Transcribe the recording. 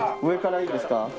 上からいいですか。